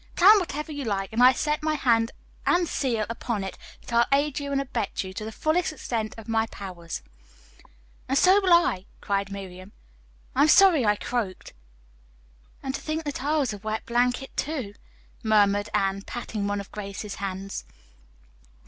Plan whatever you like, and I set my hand and seal upon it that I'll aid you and abet you to the fullest extent of my powers." "And so will I," cried Miriam. "I am sorry I croaked." "And to think I was a wet blanket, too," murmured Anne, patting one of Grace's hands.